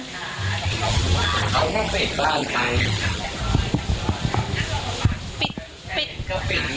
เขาไม่มีใครเจอนะไม่เคยรู้จังไม่ค่อยรู้จัก